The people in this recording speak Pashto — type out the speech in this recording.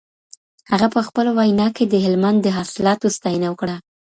هغه په خپله وینا کي د هلمند د حاصلاتو ستاینه وکړه.